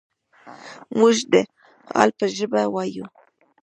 موږ ته د حال په ژبه وايي.